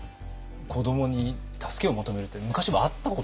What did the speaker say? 子どもに助けを求めるって昔はあったことなんですか？